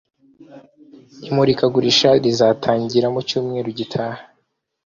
Imurikagurisha rizatangira mucyumweru gitaha